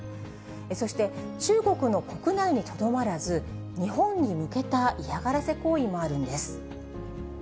そして、中国の国内にとどまらず、日本に向けた嫌がらせ行為もあるんです。